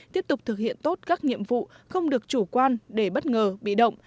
tiếp tục thực hiện tốt các nhiệm vụ không được chủ quan để bất ngờ bị động